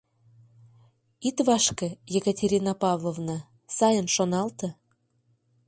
— Ит вашке, Екатерина Павловна, сайын шоналте.